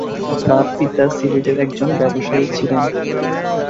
তার পিতা সিলেটের একজন ব্যবসায়ী ছিলেন।